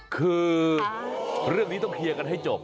คือเรื่องนี้ต้องเคลียร์กันให้จบ